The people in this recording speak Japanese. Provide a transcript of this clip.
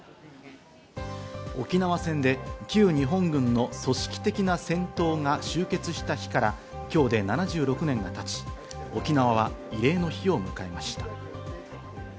沖縄戦で旧日本軍の組織的な戦闘が終結した日から今日で７６年がたち、沖縄は慰霊の日を迎えました。